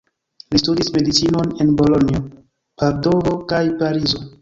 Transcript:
Li studis Medicinon en Bolonjo, Padovo kaj Parizo.